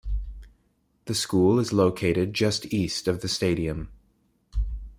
The school is located just East of the stadium.